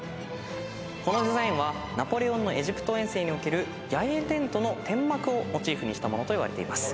このデザインはナポレオンのエジプト遠征における野営テントの天幕をモチーフにしたものといわれています。